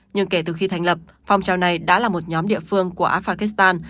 nhưng kể từ khi thành lập phong trào này đã là một nhóm địa phương của afakistan